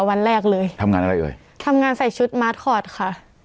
วันแรกเลยทำงานอะไรเอ่ยทำงานใส่ชุดมาร์ทคอร์ดค่ะ